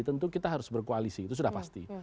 tentu kita harus berkoalisi itu sudah pasti